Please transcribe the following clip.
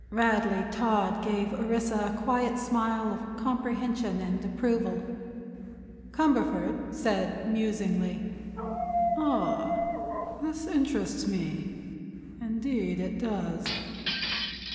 Radley Todd gave Orissa a quiet smile of comprehension and approval. Cumberford said, musingly: "Ah; this interests me; indeed it does."